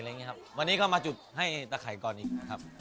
พออย่างงี้ครับวันนี้มาให้จุดให้ตะไข่ก่อนอีกนะครับ